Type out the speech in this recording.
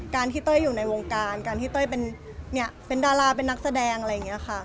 ที่เต้ยอยู่ในวงการการที่เต้ยเป็นดาราเป็นนักแสดงอะไรอย่างนี้ค่ะ